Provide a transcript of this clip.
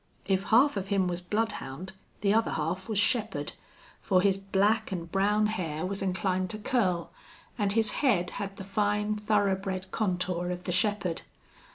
If half of him was bloodhound the other half was shepherd, for his black and brown hair was inclined to curl, and his head had the fine thoroughbred contour of the shepherd.